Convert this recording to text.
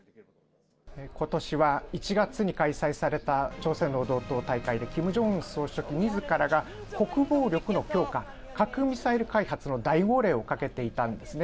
ことしは１月に開催された朝鮮労働党大会でキム・ジョンウン総書記みずからが国防力の強化、核ミサイル開発の大号令をかけていたんですね。